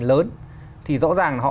lớn thì rõ ràng họ